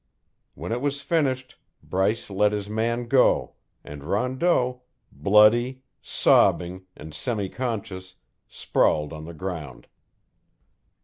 When it was finished, Bryce let his man go, and Rondeau, bloody, sobbing, and semi conscious, sprawled on the ground.